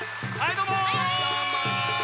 どうも！